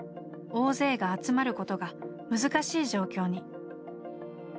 大勢が集まることが難しい状況に。